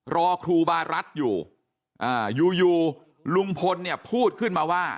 รอครูบารัฐอยู่อยู่ลุงพลเนี่ยพูดขึ้นมาว่า